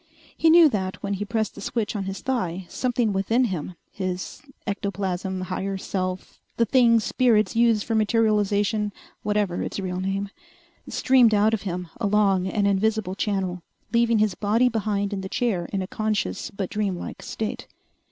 He knew that when he pressed the switch on his thigh something within him his ectoplasm, higher self, the thing spirits use for materialization, whatever its real name streamed out of him along an invisible channel, leaving his body behind in the chair in a conscious but dream like state.